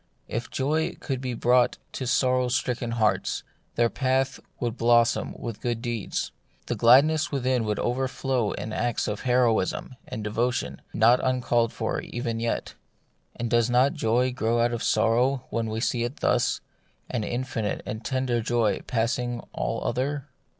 If joy could be brought to sorrow stricken hearts, their path would blossom with good deeds ; the gladness within LtfC. ICO The Mystery of Pain. would overflow in acts of heroism and devo tion, not uncalled for even yet. And does not joy grow out of sorrow when we see it thus — an infinite and tender joy passing all other